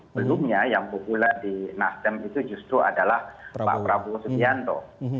belumnya yang populer di nasdem itu justru adalah pak prabowo subianto